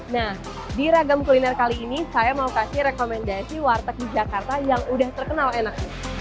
nah di ragam kuliner kali ini saya mau kasih rekomendasi warteg di jakarta yang udah terkenal enak